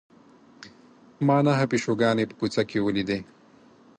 ما نهه پیشوګانې په کوڅه کې ولیدې.